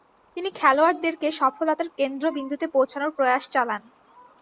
তিনি খেলোয়াড়দেরকে সফলতার কেন্দ্রবিন্দুতে পৌঁছানোর প্রয়াস চালান।